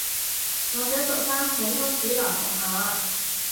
我想讀返普通主流學校呀